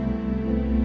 gak telfon lagi ya